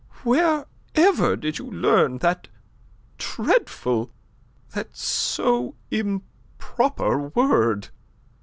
"Wherever did you learn that dreadful, that so improper word?"